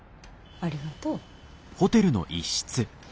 ありがとう。